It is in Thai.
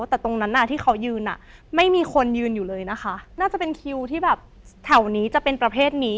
แต่ตรงนั้นที่เขายืนอ่ะไม่มีคนยืนอยู่เลยนะคะน่าจะเป็นคิวที่แบบแถวนี้จะเป็นประเภทนี้